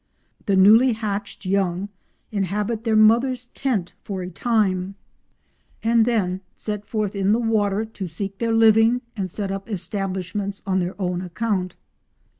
The newly hatched young inhabit their mother's tent for a time and then set forth in the water to seek their living and set up establishments on their own account.